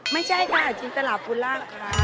ไม่ใช่ค่ะจินตราภูลา